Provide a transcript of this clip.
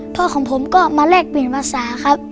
พ่อของผมก็มาแลกเปลี่ยนภาษาครับ